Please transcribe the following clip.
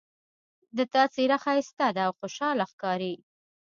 د تا څېره ښایسته ده او خوشحاله ښکاري